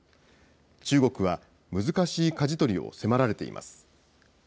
中国は難しいかじ取りを迫られています。